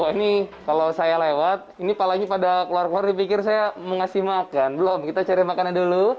ini kalau saya lewat ini paling pada keluar keluar dipikir saya mau ngasih makan belum kita cari makannya dulu